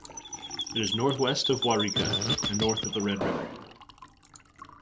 It is northwest of Waurika and north of the Red River.